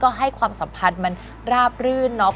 ก็ให้ความสัมพันธ์มันราบรื่นเนาะ